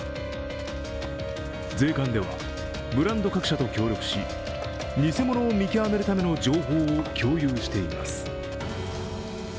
税関ではブランド各社と協力し偽物を見極めるための情報を共有しています。